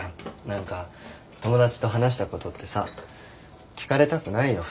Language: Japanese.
何か友達と話したことってさ聞かれたくないよ